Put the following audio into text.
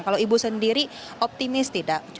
kalau ibu sendiri optimis tidak